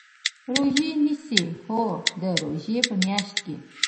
روژه نیسئ؟ هو، د روژی په میاشت کې